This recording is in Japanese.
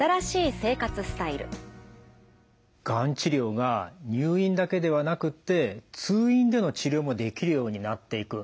がん治療が入院だけではなくって通院での治療もできるようになっていく。